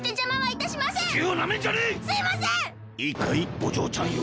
いいかいおじょうちゃんよ。